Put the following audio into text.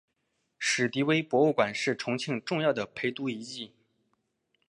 史迪威博物馆是重庆重要的陪都遗迹。